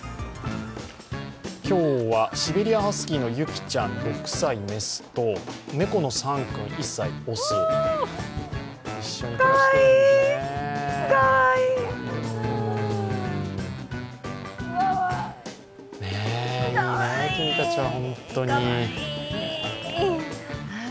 今日はシベリアンハスキーのユキちゃん６歳、雌と猫のサン君、１歳雄、一緒に暮らしてるんですね。